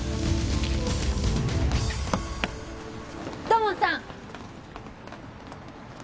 土門さん！